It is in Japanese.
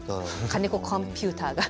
金子コンピューターが。